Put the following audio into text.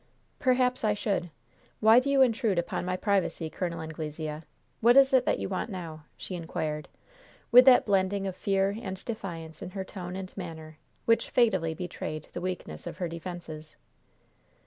"Perhaps I should. Why do you intrude upon my privacy, Col. Anglesea? What is it that you want now?" she inquired, with that blending of fear and defiance in her tone and manner which fatally betrayed the weakness of her defenses.